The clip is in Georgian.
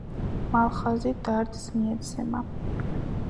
მალხაზი დარდს მიეცემა.